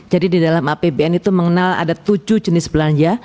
jadi di dalam apbn itu mengenal ada tujuh jenis belanja